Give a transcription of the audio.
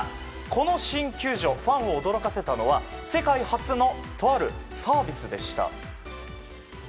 この新球場ファンを驚かせたのは世界初のとあるサービスでした。